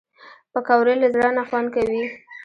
پکورې له زړه نه خوند کوي